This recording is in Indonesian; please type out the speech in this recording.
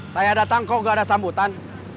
saya datang kok gak ada sambutan